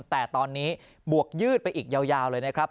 แต่ตอนนี้บวกยืดไปอีกยาวเลยนะครับ